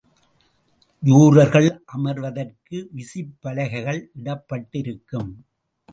ஜூரர்கள் அமர்வதற்கு விசிப்பலகைகள் இடப்பட்டிருக்கும்.